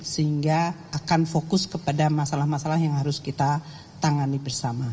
sehingga akan fokus kepada masalah masalah yang harus kita tangani bersama